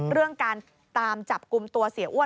เรื่องการตามจับกลุ่มตัวเสียอ้วน